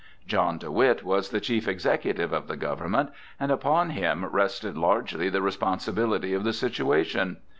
John de Witt was the chief executive of the government, and upon him rested largely the responsibility of the situation.